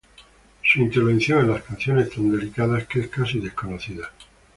Su intervención en las canciones, tan delicada, que es casi desconocida.